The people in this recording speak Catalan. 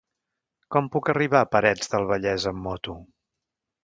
Com puc arribar a Parets del Vallès amb moto?